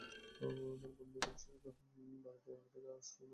আমার বন্ধুগণ সেই বাড়ীতে থেকে আশ্রমের জন্য উপযুক্ত স্থান ও বাড়ীর অন্বেষণ করবেন।